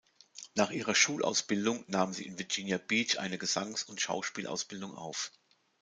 Nach ihrer Schulausbildung nahm sie in Virginia Beach eine Gesangs- und Schauspielausbildung auf.